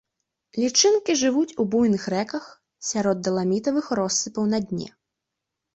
Лічынкі жывуць у буйных рэках, сярод даламітавых россыпаў на дне.